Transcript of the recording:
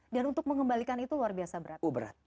dan untuk mengembalikan itu luar biasa berat